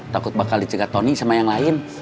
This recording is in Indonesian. takut bakal dicegat tony sama yang lain